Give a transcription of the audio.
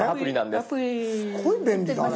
すごい便利だね。